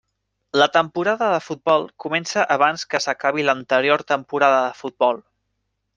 La temporada de futbol comença abans que s'acabi l'anterior temporada de futbol.